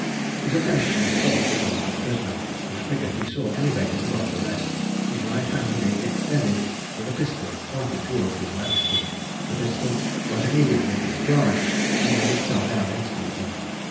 His attention was suddenly drawn to the prisoner, whose figure he saw elevated above the rest; his right hand being extended with a pistol pointed towards his Majesty. The pistol was immediately discharged, and then it fell down instantly.